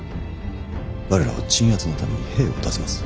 我らは鎮圧のために兵を出せます。